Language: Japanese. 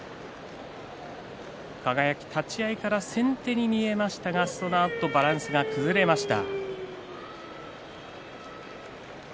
輝が先手に見えましたがそのあとバランスが崩れました。